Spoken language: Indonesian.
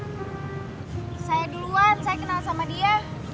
mas pur saya duluan saya kenal sama dia